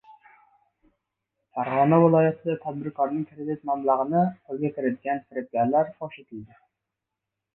Farg‘ona viloyatida tadbirkorning kredit mablag‘ini qo‘lga kiritgan firibgarlar fosh etildi